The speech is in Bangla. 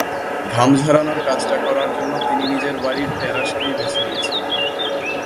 ঘাম ঝরানোর কাজটা করার জন্য তিনি নিজের বাড়ির টেরাসকেই বেছে নিয়েছেন।